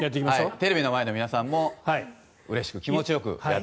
テレビの前の皆さんもうれしく気持ちよく。